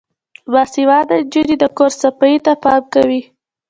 باسواده نجونې د کور صفايي ته پام کوي.